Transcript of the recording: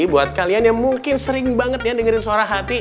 buat kalian yang mungkin sering banget ya dengerin suara hati